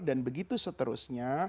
dan begitu seterusnya